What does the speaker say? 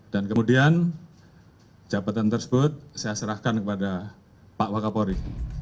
dan kemudian jabatan tersebut saya serahkan kepada pak wakapolri